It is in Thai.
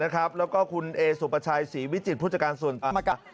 แล้วก็คุณเอสสุปัชย์ศรีวิจิตรผู้จักรส่วนธรรมการ